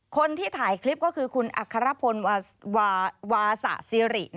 คนที่ถ่ายคลิปก็คือคุณอัครพลวาสะซีริ